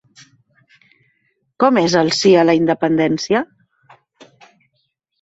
Com és el sí a la independència?